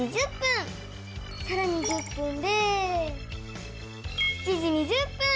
さらに１０分で７時２０分！